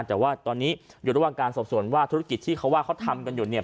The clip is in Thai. แต่ว่าตอนนี้อยู่ระหว่างการสอบส่วนว่าธุรกิจที่เขาว่าเขาทำกันอยู่เนี่ย